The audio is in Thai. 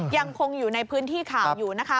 ยังคงอยู่ในพื้นที่ข่าวอยู่นะคะ